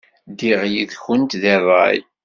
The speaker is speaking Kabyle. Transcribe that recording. Ddiɣ yid-went deg ṛṛay.